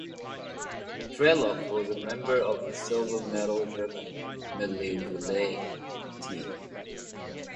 Trieloff was a member of the silver medal German medley relay team.